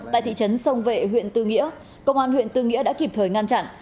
tại thị trấn sông vệ huyện tư nghĩa công an huyện tư nghĩa đã kịp thời ngăn chặn